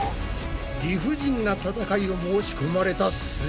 理不尽な戦いを申し込まれたす